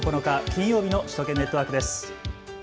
金曜日の首都圏ネットワークです。